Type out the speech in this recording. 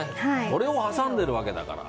これを挟んでいるわけだから。